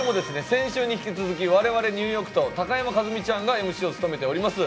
先週に引き続き我々ニューヨークと高山一実ちゃんがＭＣを務めてます